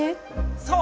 そう。